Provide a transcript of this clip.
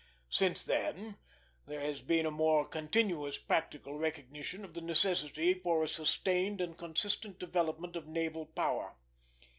Since then there has been a more continuous practical recognition of the necessity for a sustained and consistent development of naval power.